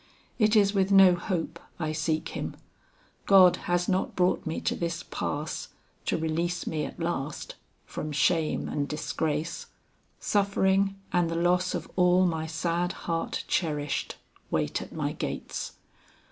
It is with no hope I seek him. God has not brought me to this pass, to release me at last, from shame and disgrace. Suffering and the loss of all my sad heart cherished, wait at my gates.